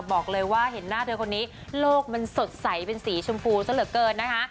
บอกเลยว่าเห็นหน้าเธอคนนี้โลกมันสดใสเป็นสีชมพูซะเหลือเกินนะคะ